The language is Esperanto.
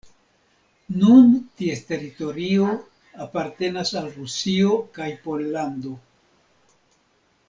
Nun ties teritorio apartenas al Rusio kaj Pollando.